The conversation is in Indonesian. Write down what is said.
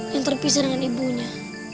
yang terpisah dengan ibunya